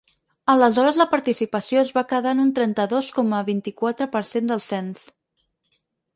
Aleshores la participació es va quedar en un trenta-dos coma vint-i-quatre per cent del cens.